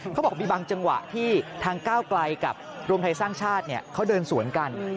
เขาบอกมีบางจังหวะที่ทางก้าวไกลกับรวมไทยสร้างชาติเขาเดินสวนกัน